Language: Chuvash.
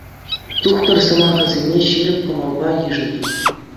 Тухтӑр сӑмахӗсене ҫирӗп кӑмӑлпа йышӑнтӑм.